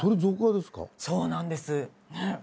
そうなんです。